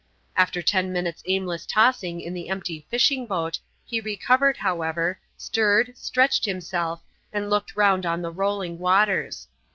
After ten minutes' aimless tossing in the empty fishing boat he recovered, however, stirred, stretched himself, and looked round on the rolling waters.